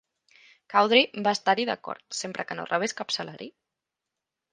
Cowdray va estar-hi d'acord, sempre que no rebés cap salari.